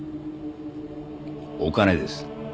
お金です。